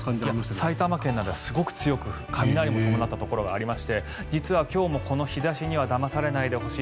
埼玉県などはすごく強く雷も伴ったところがありまして今日もこの日差しにはだまされないでください。